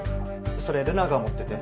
それ留奈が持ってて。